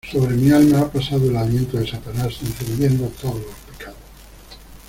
sobre mi alma ha pasado el aliento de Satanás encendiendo todos los pecados: